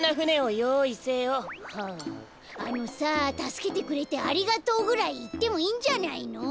ああのさ「たすけてくれてありがとう」ぐらいいってもいいんじゃないの？